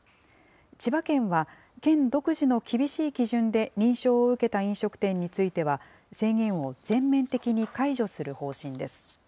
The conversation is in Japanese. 千葉県は、県独自の厳しい基準で認証を受けた飲食店については、制限を全面的に解除する方針です。